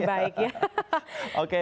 saya terima dengan baik ya